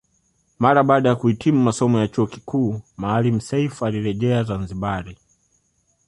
Mara baada ya kuhitimu masomo ya chuo kikuu Maalim Self alirejea Zanzibari